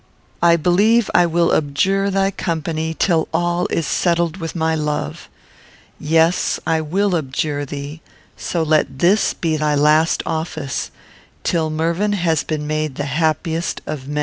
I believe I will abjure thy company till all is settled with my love. Yes; I will abjure thee; so let this be thy last office, till Mervyn has been made the happiest of men.